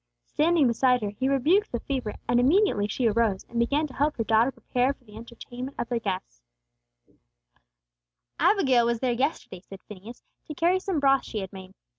Standing beside her, He rebuked the fever; and immediately she arose, and began to help her daughter prepare for the entertainment of their guest. "Abigail was there yesterday," said Phineas, "to carry some broth she had made.